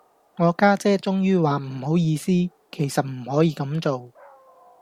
我家姐終於話唔好意思，其實唔可以咁做